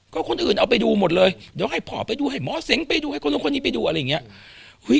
ก็คนอื่นเอาไปดูหมดเลยเดี๋ยวให้พ่อไปดูให้หมอเสงไปดูให้คนนู้นคนนี้ไปดูอะไรอย่างนี้